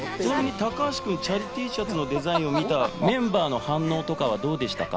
高橋君、チャリＴシャツのデザインを見たメンバーの反応とかはどうでしたか？